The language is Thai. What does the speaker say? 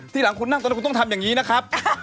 ทีหลังคุณนั่งตรงนั้นคุณต้องทำอย่างนี้นะครับ